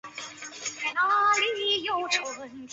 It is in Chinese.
澳大利亚沙群海葵为鞘群海葵科沙群海葵属的动物。